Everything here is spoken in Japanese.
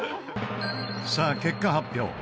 さあ結果発表。